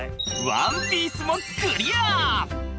ワンピースもクリア！